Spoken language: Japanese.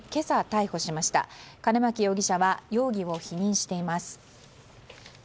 印牧容疑者は容疑を否認しています。